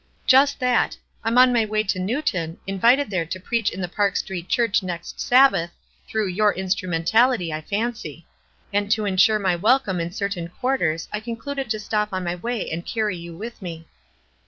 "Just that. I am on my way to Newton, in vited there to preach in the Park Street Church next Sabbath, through your instrumentality, I fancy ; and to insure my welcome in certain quarters I concluded to stop on my way and carry you with me."